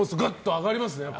上がりますね。